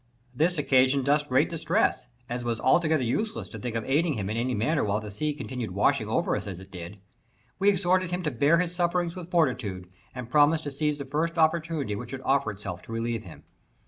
This occasioned us great distress, as it was altogether useless to think of aiding him in any manner while the sea continued washing over us as it did. We exhorted him to bear his sufferings with fortitude, and promised to seize the first opportunity which should offer itself to relieve him.